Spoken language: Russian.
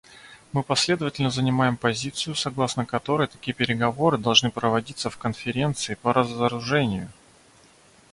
Мы последовательно занимаем позицию, согласно которой такие переговоры должны проводиться в Конференции по разоружению.